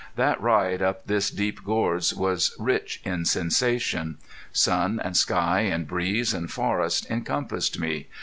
That ride up this deep gorge was rich in sensation. Sun and sky and breeze and forest encompassed me.